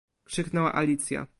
krzyknęła Alicja"